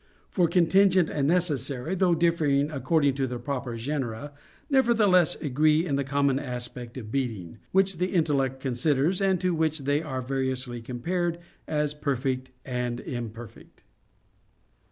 For contingent and necessary, though differing according to their proper genera, nevertheless agree in the common aspect of being, which the intellect considers, and to which they are variously compared as perfect and imperfect.